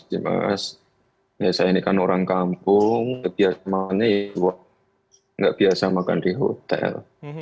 biasa ini kan orang kampung biasa makan di hotel